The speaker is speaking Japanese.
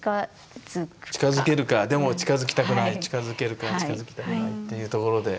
近づけるかでも近づきたくない近づけるか近づきたくないっていうところで。